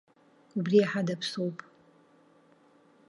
Убри иаҳа даԥсоуп.